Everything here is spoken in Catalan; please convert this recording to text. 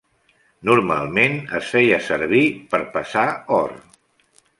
Normalment es feia servir per pesar or.